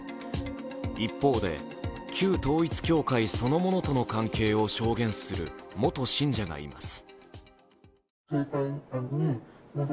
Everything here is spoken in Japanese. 一方で、旧統一教会そのものとの関係を証言する元信者がいます。